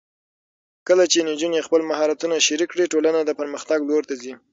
کله چې نجونې خپل مهارتونه شریک کړي، ټولنه د پرمختګ لور ته ځي.